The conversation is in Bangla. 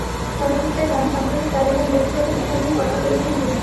চলচ্চিত্রের গান, সাম্প্রতিক কাজ এবং ব্যক্তিগত বিষয় নিয়ে কথা বলেছেন তিনি।